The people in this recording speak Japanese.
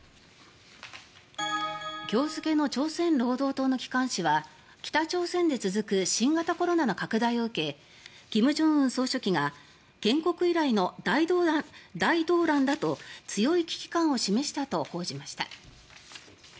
今日付の朝鮮労働党の機関紙は北朝鮮で続く新型コロナの拡大を受け金正恩総書記が建国以来の大動乱だと強い危機感を示したと報じました。